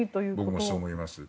僕もそう思います。